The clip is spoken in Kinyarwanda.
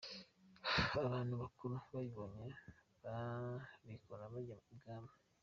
Abantu bakuru babibonye barikora bajya ibwami.